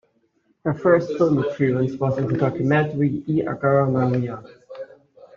Her first film appearance was in the documentary E Agora Maria?